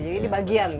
jadi ini bagian